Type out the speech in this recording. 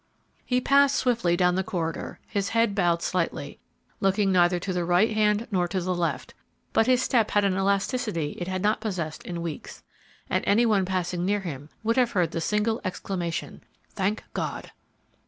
He passed swiftly down the corridor, his head bowed slightly, looking neither to the right hand nor to the left, but his step had an elasticity it had not possessed in weeks, and any one passing near him would have heard the single exclamation, "Thank God!"